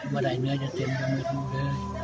เวลาเนื้อจะเต็มกับกระดูกเลย